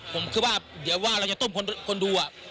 ผมคิดว่าเดี๋ยวว่าเราจะต้มคนดู